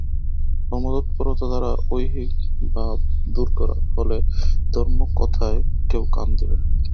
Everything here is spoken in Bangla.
কর্মতৎপরতা দ্বারা ঐহিক অভাব দূর না হলে ধর্ম-কথায় কেউ কান দেবে না।